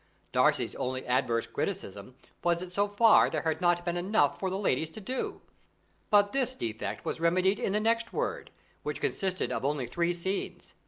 Darcy's only adverse criticism was that so far there had not been enough for the ladies to do; but this defect was remedied in the next word, which consisted of only three scenes.